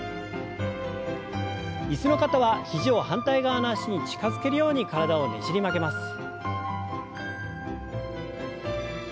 椅子の方は肘を反対側の脚に近づけるように体をねじり曲げます。